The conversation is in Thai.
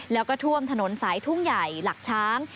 แล้วก็ท่วมถนนสายทุ่งใหญ่หลักช้าง